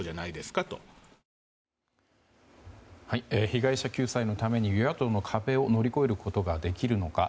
被害者救済のために与野党の壁を乗り越えることができるのか。